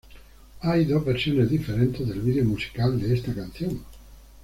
Hay dos versiones diferentes del video musical de esta canción.